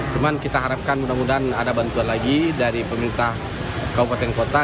cuman kita harapkan mudah mudahan ada bantuan lagi dari pemerintah kabupaten kota